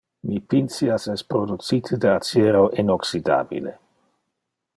Mi pincias es producite de aciero inoxydabile.